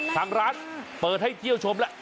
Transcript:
ทางร้านเปิดให้เที่ยวชมแล้ว